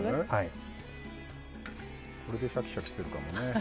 これでシャキシャキするかもね。